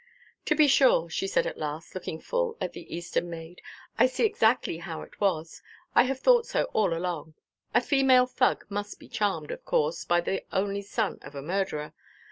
"To be sure," she said at last, looking full at the Eastern maid, "I see exactly how it was. I have thought so all along. A female Thug must be charmed, of course, by the only son of a murderer.